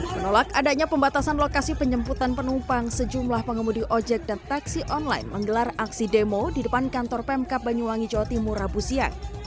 menolak adanya pembatasan lokasi penjemputan penumpang sejumlah pengemudi ojek dan taksi online menggelar aksi demo di depan kantor pemkap banyuwangi jawa timur rabu siang